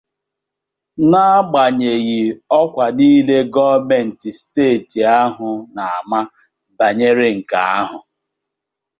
na-agbànyèghị ọkwà niile gọọmenti steeti ahụ na-ama bànyere nke ahụ